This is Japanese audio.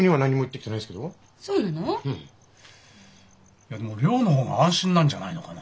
いやでも寮の方が安心なんじゃないのかな。